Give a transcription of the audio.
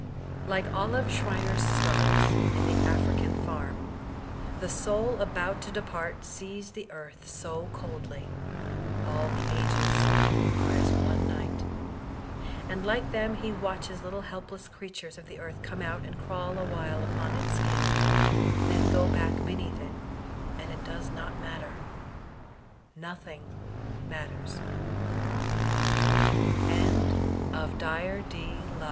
Like Olive Schreiner's stars in the African Farm, the soul about to depart sees the earth so coldly — all the 296 VOLTAISINB DB ClEYKB ages are as one night — and like them he watches littk helpless creatures of the earth come out and crawl awhile upon its skin, then go back beneath it, and it does not matter— nothing matters* Francisco Ferrer IN all unsuc